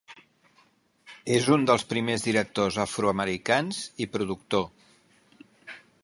És un dels primers directors afro-americans, i productor.